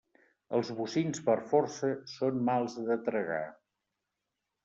Els bocins per força són mals de tragar.